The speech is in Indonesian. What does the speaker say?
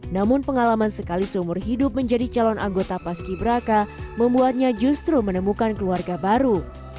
namun pengalaman sekali seumur hidup menjadi calon anggota paski braka membuatnya justru menemukan keluarga baru